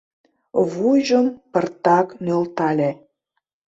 Вуйжым пыртак нӧлтале.